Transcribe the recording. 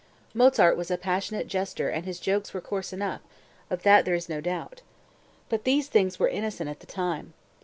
Mozart was a passionate jester and his jokes were coarse enough; of that there is no doubt. But these things were innocent at the time.